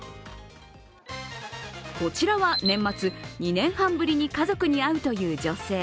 こちらは年末、２年半ぶりに家族に会うという女性。